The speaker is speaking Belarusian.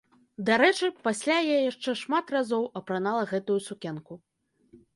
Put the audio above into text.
Дарэчы, пасля я яшчэ шмат разоў апранала гэтую сукенку.